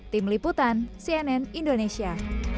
tim liputan cnn indonesia